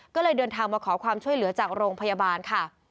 ก็เลยเดินทางมาขอความช่วยเหลือจากโรงพยาบาลค่ะ